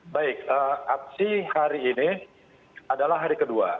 baik aksi hari ini adalah hari kedua